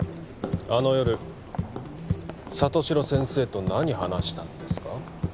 あの夜里城先生と何話したんですか？